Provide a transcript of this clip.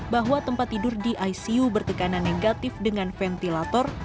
bahwa tempat tidur di icu bertekanan negatif dengan ventilator